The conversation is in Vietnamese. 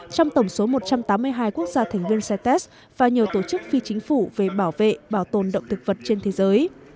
trong tổng số một trăm tám mươi hai quốc gia thành viên sai test và nhiều tổ chức phi chính phủ về bảo vệ bảo tồn động thực vật trên thế giới